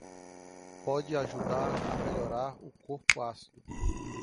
Pode ajudar a melhorar o corpo ácido